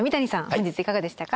本日いかがでしたか。